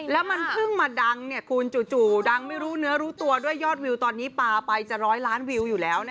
และมันตั้งมาดังเนี่ยคูณจู่ดังไม่รู้เนื้อรู้ตัวด้วยยอดวิวสอนนี้ปลาไปจะร้อยล้านวิว